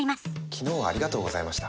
昨日はありがとうございました。